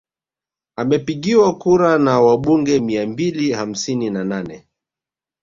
Amepigiwa kura na wabunge mia mbili hamsini na nane